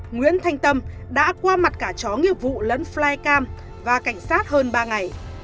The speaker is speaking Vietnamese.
nguyễn thanh tâm đã qua mặt cả chó nghiệp vụ lẫn flycam và cảnh sát hơn ba ngày